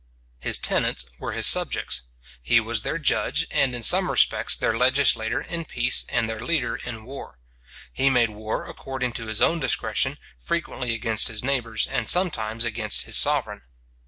His tenants were his subjects. He was their judge, and in some respects their legislator in peace and their leader in war. He made war according to his own discretion, frequently against his neighbours, and sometimes against his sovereign.